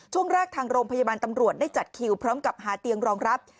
ช่วงแรกทางโรงพยาบาลตำรวจได้จัดคิวพร้อมกับหาเตียงรองรับ